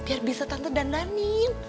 biar bisa tante dandanin